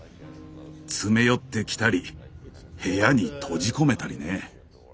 詰め寄ってきたり部屋に閉じ込めたりね。